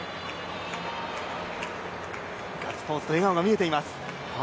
ガッツポーズと笑顔が見えています。